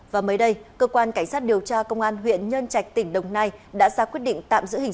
và mới đây cơ quan cảnh sát điều tra công an huyện nhân trạch tỉnh đồng nai đã ra quyết định tạm giữ hình